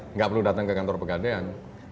nggak perlu datang ke kantor pegadean